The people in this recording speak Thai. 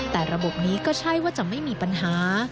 แต่ระบบนี้ก็ใช่ว่าจะไม่มีปัญหา